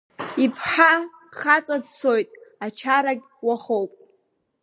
Иԥҳа хаҵа дцоит, ачарагь уахоуп.